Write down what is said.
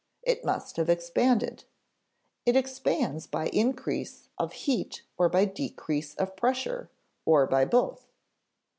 It must have expanded. It expands by increase of heat or by decrease of pressure, or by both.